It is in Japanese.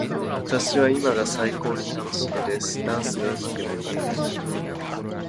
私は今が最高に楽しいです。ダンスがうまくなりたい。